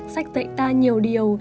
sách dạy ta nhiều điều